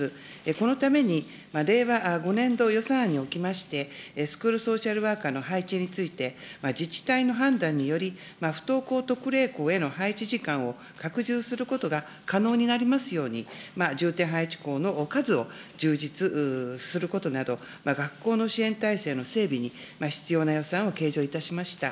このために、令和５年度予算案におきまして、スクールソーシャルワーカーの配置について、自治体の判断により、不登校特例校への配置時間を拡充することが可能になりますように、重点配置校の数を充実することなど、学校の支援体制の整備に必要な予算を計上いたしました。